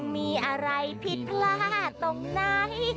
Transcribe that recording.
มีอะไรผิดพลาดตรงไหน